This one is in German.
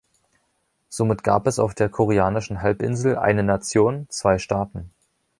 Somit gab es auf der koreanischen Halbinsel „eine Nation – zwei Staaten“.